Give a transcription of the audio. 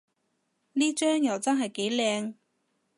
呢張又真係幾靚